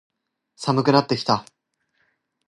寒くなってきた。